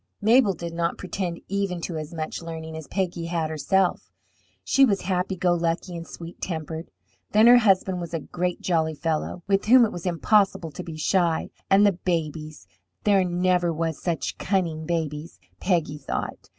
Mabel did not pretend even to as much learning as Peggy had herself; she was happy go lucky and sweet tempered. Then her husband was a great jolly fellow, with whom it was impossible to be shy, and the babies there never were such cunning babies, Peggy thought.